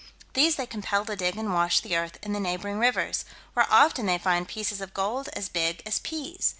These they compel to dig and wash the earth in the neighbouring rivers, where often they find pieces of gold as big as peas.